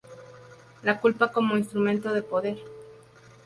La culpa como instrumento de poder.